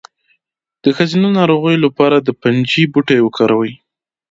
د ښځینه ناروغیو لپاره د پنجې بوټی وکاروئ